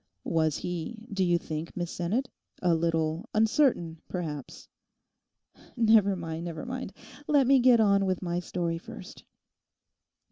'Was he, do you think, Miss Sinnet, a little uncertain, perhaps?' 'Never mind, never mind; let me get on with my story first.